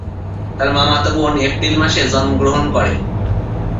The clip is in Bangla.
তার মামাতো বোন এপ্রিল মাসে জন্মগ্রহণ করে।